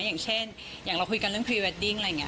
อย่างเช่นอย่างเราคุยกันเรื่องพรีเวดดิ้ง